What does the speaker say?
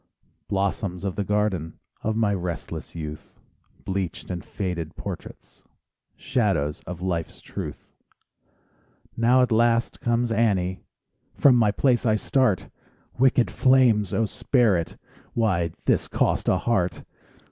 ... Blossoms of the garden Of my restless youth, Bleached and faded portraits, Shadows of life's truth. ... Now at last comes Annie— From my place I start: Wicked flames, oh, spare it— Why, this cost a heart!